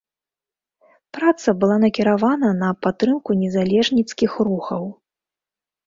Праца была накіравана на падтрымку незалежніцкіх рухаў.